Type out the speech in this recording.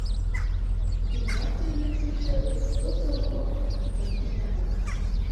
Вінаватыя, як заўсёды, хто заўгодна, толькі не мы.